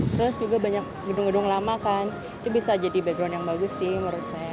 terus juga banyak gedung gedung lama kan itu bisa jadi background yang bagus sih menurut saya